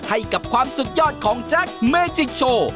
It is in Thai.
ให้กับความสุดยอดของแจ็คเมจิกโชว์